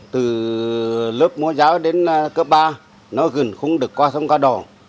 từ lớp mô giáo đến cơ ba nó gần không được qua sông ca đỏ